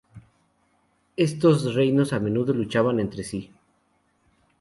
Estos reinos a menudo luchaban entre sí.